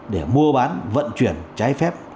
để mua bán vận chuyển trái phép